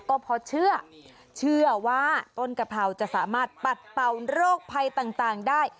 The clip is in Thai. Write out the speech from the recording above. ก็พอเชื่อเชื่อว่าต้นกะเพราจะสามารถปัดเป่าโรคภัยต่างได้